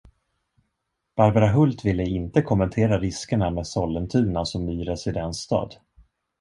Barbara Hulth ville inte kommentera riskerna med Sollentuna som ny residensstad.